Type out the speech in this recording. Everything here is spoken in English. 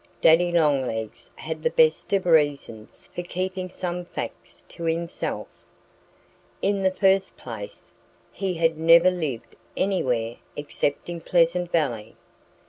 Daddy Longlegs had the best of reasons for keeping some facts to himself. In the first place, he had never lived anywhere except in Pleasant Valley.